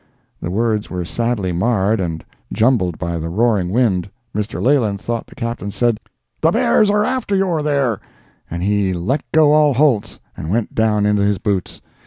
The words were sadly marred and jumbled by the roaring wind. Mr. Leland thought the captain said, "The bears are after your there!" and he "let go all holts" and went down into his boots.